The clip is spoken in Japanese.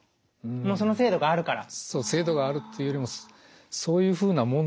もうその制度があるから。